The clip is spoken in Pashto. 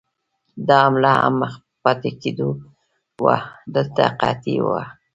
دا حمله هم مخ په پاتې کېدو وه، دلته قحطي وه.